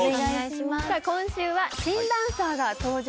さあ今週は新ダンサーが登場します。